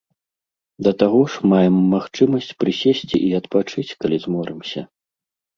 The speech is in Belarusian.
Да таго ж маем магчымасць прысесці і адпачыць, калі зморымся.